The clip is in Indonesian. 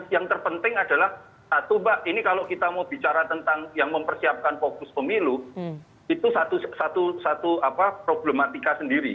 yang terpenting adalah satu mbak ini kalau kita mau bicara tentang yang mempersiapkan fokus pemilu itu satu problematika sendiri